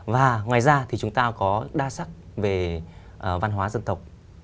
và ngoài ra thì chúng ta có đa sắc về văn hóa dân tộc